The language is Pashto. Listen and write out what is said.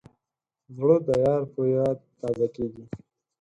زړه د یار په یاد تازه کېږي.